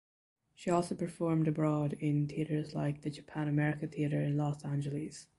She also performed abroad in theaters like the Japan America Theater in Los Angeles.